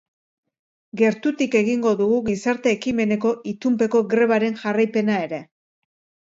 Gertutik egingo dugu gizarte ekimeneko itunpeko grebaren jarraipena ere.